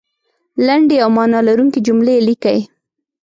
لنډې او معنا لرونکې جملې لیکئ